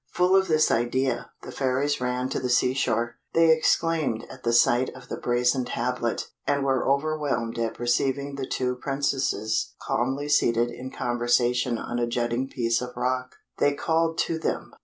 Full of this idea, the fairies ran to the sea shore; they exclaimed at the sight of the brazen tablet, and were overwhelmed at perceiving the two Princesses calmly seated in conversation on a jutting piece of rock. They called to them.